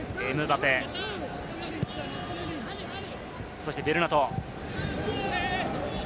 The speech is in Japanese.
そしてベルナト。